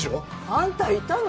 あんたいたの？